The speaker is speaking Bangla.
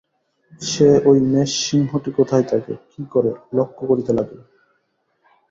সে ঐ মেষ-সিংহটি কোথায় থাকে, কি করে, লক্ষ্য করিতে লাগিল।